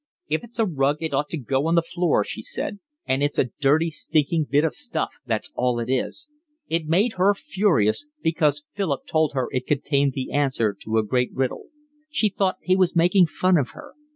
"If it's a rug it ought to go on the floor," she said, "and it's a dirty stinking bit of stuff, that's all it is." It made her furious because Philip told her it contained the answer to a great riddle. She thought he was making fun of her.